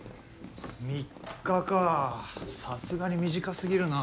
３日かさすがに短すぎるな。